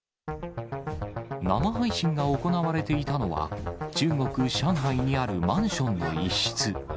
生配信が行われていたのは、中国・上海にあるマンションの一室。